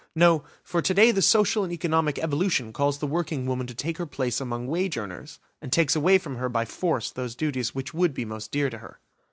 No, for to day the social and economic evolution calls the working woman to take her place among wage earners, and takes away from her by force those duties which would be most dear to her!